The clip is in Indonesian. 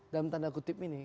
dalam tanda kutip ini